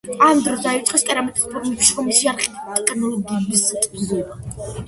ამ დროს დაიწყეს კერამიკის ფორმების, შრომის იარაღების და ტექნოლოგიების წარმოება.